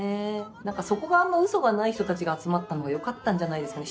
そこがあんまウソがない人たちが集まったのが良かったんじゃないですかね。